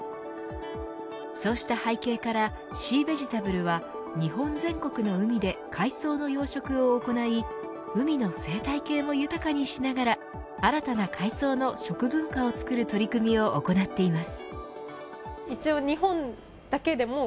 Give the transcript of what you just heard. そうした背景からシーベジタブルは日本全国の海で海藻の養殖を行い海の生態系も豊かにしながら新たな海藻の食文化をつくる取り組みを行っています。